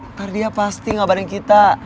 ntar dia pasti ngabarin kita